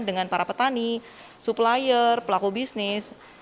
dengan para petani supplier pelaku bisnis